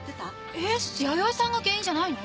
えっ弥生さんが原因じゃないの！？